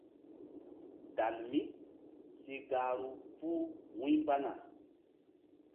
Dalmi si gahru puh wu̧ymbana.